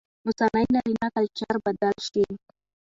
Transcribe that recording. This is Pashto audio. اوسنى نارينه کلچر بدل شي